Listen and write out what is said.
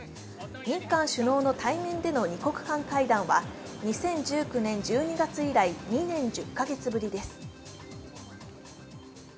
日韓首脳の対面での二国間会談は２０１９年１２月以来２年１０か月ぶりです。